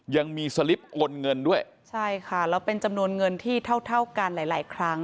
ยังมีสลิปโอนเงินด้วยใช่ค่ะแล้วเป็นจำนวนเงินที่เท่าเท่ากันหลายหลายครั้ง